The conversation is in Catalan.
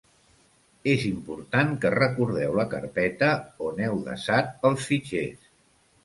És important que recordeu la carpeta on heu desat els fitxers.